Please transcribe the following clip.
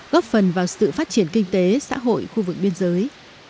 góp phần vào sự phát triển kinh tế xã hội khu vực biên giới